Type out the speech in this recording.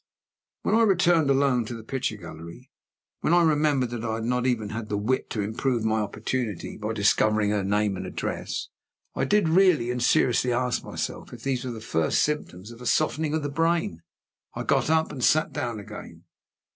When I returned alone to the picture gallery when I remembered that I had not even had the wit to improve my opportunity by discovering her name and address I did really and seriously ask myself if these were the first symptoms of softening of the brain. I got up, and sat down again.